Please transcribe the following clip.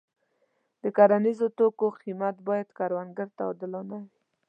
د کرنیزو توکو قیمت باید کروندګر ته عادلانه وي.